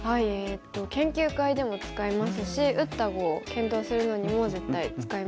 研究会でも使いますし打った碁を検討するのにも絶対使いますね。